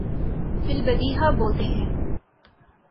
فی البدیہہ بولتے ہیں۔